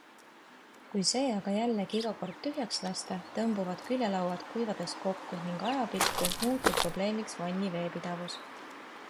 Kui see aga jällegi iga kord tühjaks lasta, tõmbuvad küljelauad kuivades kokku ning ajapikku muutub probleemiks vanni veepidavus.